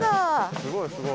すごいすごい。